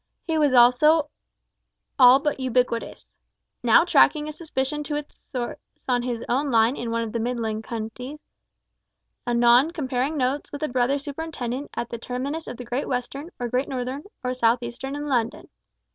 He was also all but ubiquitous. Now tracking a suspicion to its source on his own line in one of the Midland counties; anon comparing notes with a brother superintendent at the terminus of the Great Western, or Great Northern, or South Eastern in London.